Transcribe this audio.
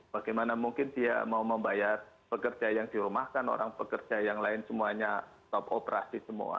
bagaimana mungkin dia mau membayar pekerja yang dirumahkan orang pekerja yang lain semuanya top operasi semua